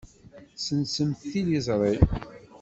Ssensemt tiliẓri.